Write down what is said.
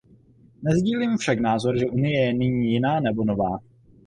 Nesdílím však názor, že Unie je nyní jiná nebo nová.